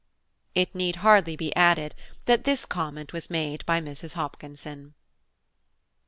It need hardly be added that this comment was made by Mrs. Hopkinson.